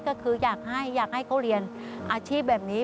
ก็คืออยากให้เขาเรียนอาชีพแบบนี้